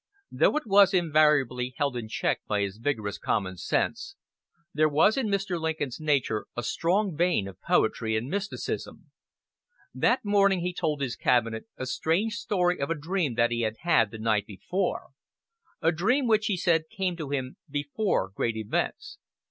Though it was invariably held in check by his vigorous common sense, there was in Mr. Lincoln's nature a strong vein of poetry and mysticism. That morning he told his cabinet a strange story of a dream that he had had the night before a dream which he said came to him before great events.